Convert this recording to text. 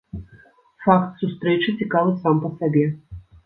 Факт сустрэчы цікавы сам па сабе.